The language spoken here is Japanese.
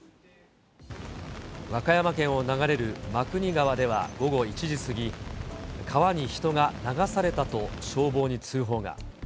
和歌山県を流れる真国川では午後１時過ぎ、川に人が流されたと消防に通報が。